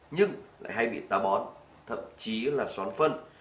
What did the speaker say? nhưng lại hay bị tá bón thậm chí là xón phân